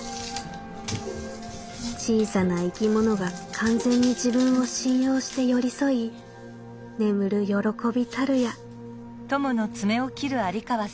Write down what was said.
「小さな生き物が完全に自分を信用して寄り添い眠る歓びたるや」。